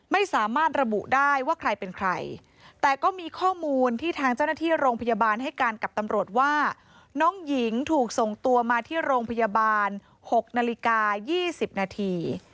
ไม่สามารถระบุได้ว่าใครเป็นใครแต่ก็มีข้อมูลที่ทางเจ้าหน้าที่โรงพยาบาลให้การกับตำรวจว่าน้องหญิงถูกส่งตัวมาที่โรงพยาบาล๖นาฬิกา๒๐นาที